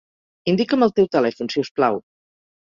Indica'm el teu telèfon, si us plau.